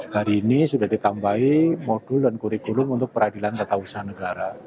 hari ini sudah ditambahi modul dan kurikulum untuk peradilan tata usaha negara